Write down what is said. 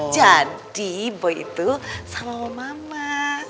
jadi boy itu sama mama